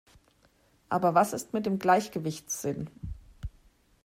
Aber was ist mit dem Gleichgewichtssinn?